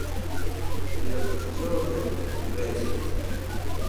ya purchod'ep res̃ht